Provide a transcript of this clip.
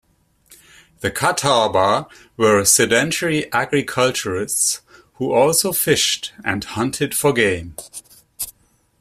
The Catawba were sedentary agriculturists, who also fished and hunted for game.